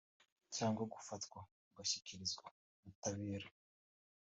cyangwa gufatwa ugashyikirizwa ubutabera